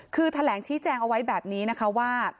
คือแถลงชี้แจงเอาไว้แบบนี้นะคะว่า